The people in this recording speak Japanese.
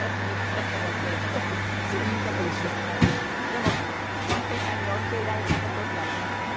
でもこん平さんに教えられた事ってありますか？